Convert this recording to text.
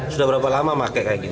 sudah berapa lama pakai kayak gini